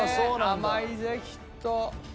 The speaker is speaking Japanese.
甘いぜきっと！